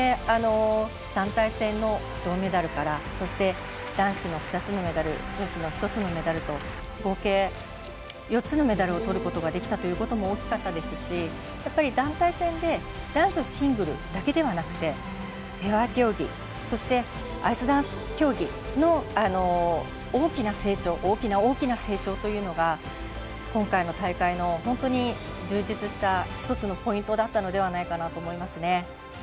団体戦の銅メダルからそして、男子の２つのメダル女子の１つのメダルと合計４つのメダルをとることができたというのも大きかったですし、やっぱり団体戦で男女シングルだけでなくペア競技そして、アイスダンス競技の大きな大きな成長というのが今回の大会の本当に充実した１つのポイントだったのではないかなと思いますね。